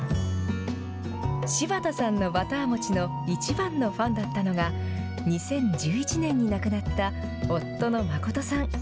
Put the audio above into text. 柴田さんのバター餅の一番のファンだったのが、２０１１年に亡くなった夫の誠さん。